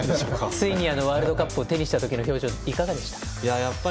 ついにワールドカップを手にした時の表情はいかがですか？